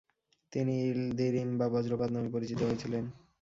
তিনি ইলদিরিম বা বজ্রপাত নামে পরিচিত হয়েছিলেন।